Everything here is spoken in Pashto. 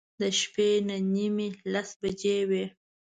د شپې نهه نیمې، لس بجې به وې.